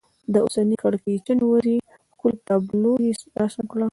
د اوسنۍ کړکېچنې وضعې ښکلې تابلو یې رسم کړه.